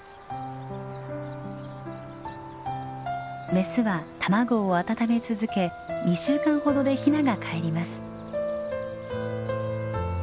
メスは卵を温め続け２週間ほどでヒナがかえります。